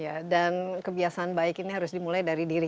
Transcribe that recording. ya dan kebiasaan baik ini harus dimulai dari diri